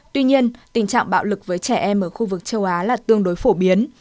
tuy nhiên tình trạng bạo lực với trẻ em ở khu vực châu á là tương đối phổ biến